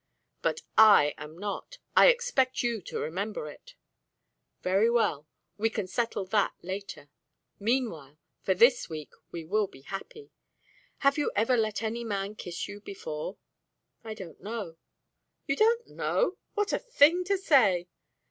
"But I am not. I expect you to remember it." "Very well, we can settle that later. Meanwhile, for this week, we will be happy. Have you ever let any man kiss you before?" "I don't know." "You don't know? What a thing to say!"